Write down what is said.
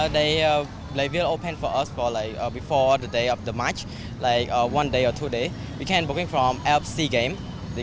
saya ingin memiliki tiket tapi tidak dapat mendapatkannya pada waktu